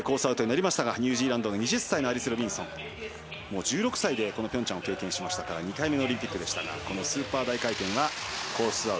アウトになりましたがニュージーランドの２０歳のアリス・ロビンソン１６歳でピョンチャンを経験したので２回目のオリンピックでしたがこのスーパー大回転はコース